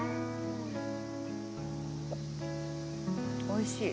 おいしい。